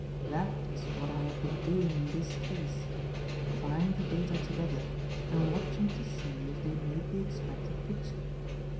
That is what I have been doing in this case; trying the data together and watching to see if they made the expected picture.